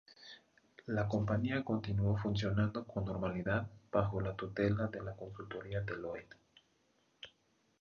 La compañía continuó funcionando con normalidad bajo la tutela de la consultoría Deloitte.